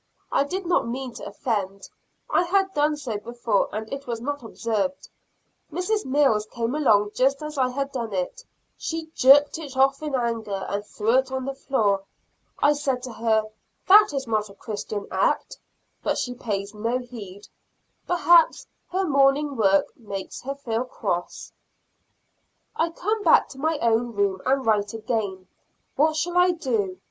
I did not mean to offend, I had done so before and it was not observed. Mrs. Mills came along just as I had done it; she jerked it off in anger, and threw it on the floor. I said to her, "That is not a Christian act," but she pays no heed; perhaps her morning work makes her feel cross. I come back to my own room and write again; what shall I do?